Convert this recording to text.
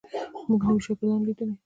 موږ نوي شاګردان لیدلي.